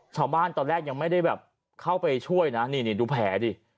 ตอนแรกยังไม่ได้แบบเข้าไปช่วยนะนี่ดูแผลดิ